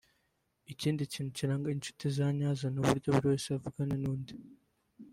Ikindi kintu kiranga inshuti za nyazo ni uburyo buri wese avugana n’undi